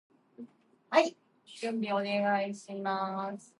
The last reported population was restricted to Georgian Bay off Lake Huron in Canada.